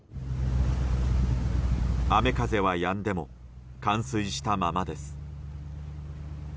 雨風はやんでも冠水したままです。